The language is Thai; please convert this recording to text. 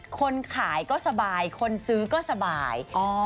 คนขายก็สบายคนซื้อก็สบาย